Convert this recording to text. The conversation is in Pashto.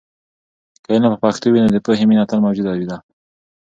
که علم په پښتو وي، نو د پوهې مینه تل موجوده ده.